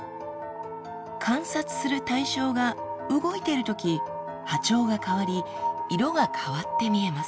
観察する対象が動いてるとき波長が変わり色が変わって見えます。